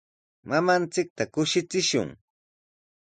Mamanchikta kushichishun.